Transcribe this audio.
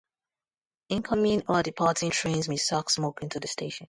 Incoming or departing trains may suck smoke into the station.